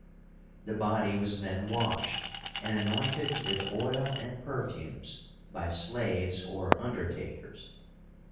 The body was then washed, and anointed with oil and perfumes, by slaves or undertakers.